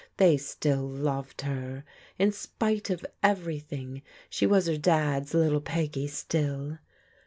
They still loved her. In spite of everything she was her Dad's little Peggy still.